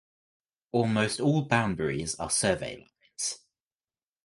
Almost all boundaries are survey lines.